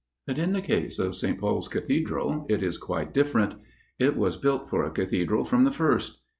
But in the case of St. Paul's Cathedral it is quite different. It was built for a Cathedral from the first.